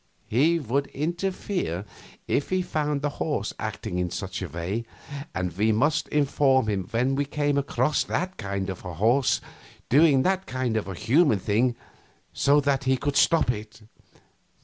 He would interfere if he found a horse acting in such a way, and we must inform him when we came across that kind of horse doing that kind of a human thing, so that he could stop it.